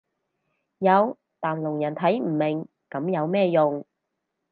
有但聾人睇唔明噉有咩用